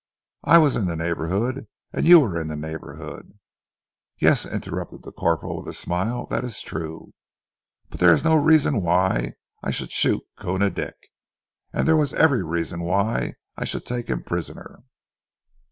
I was in the neighbourhood, you were in the neighbourhood " "Yes," interrupted the corporal with a smile, "that is true. But there is no reason why I should shoot Koona Dick, and there was every reason why I should take him prisoner."